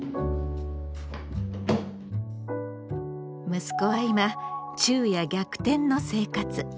息子は今昼夜逆転の生活。